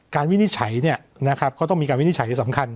การวินิจฉัยเนี่ยนะครับก็ต้องมีการวินิจฉัยสำคัญ